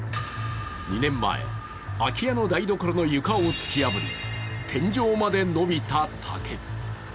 ２年前、空き家の台所の床を突き破り天井まで伸びた竹。